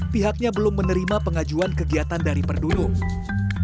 pihaknya belum menerima pengajuan kegiatan dari perdulung